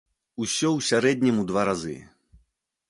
Усё ў сярэднім у два разы.